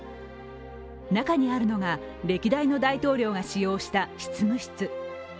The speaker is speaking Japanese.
中にあるのが歴代の大統領が使用した執務室。